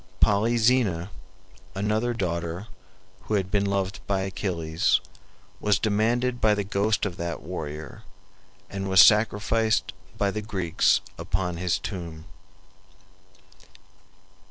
Polyxena, another daughter, who had been loved by Achilles, was demanded by the ghost of that warrior, and was sacrificed by the Greeks upon his tomb.